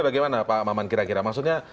bagaimana pak maman kira kira maksudnya